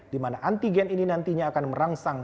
di mana antigen ini nantinya akan merangsang